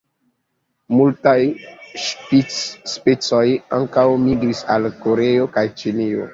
Multaj ŝpic-specoj ankaŭ migris al Koreio kaj Ĉinio.